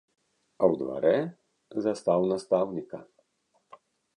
А ў дварэ застаў настаўніка.